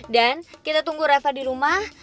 dan kita tunggu reva di rumah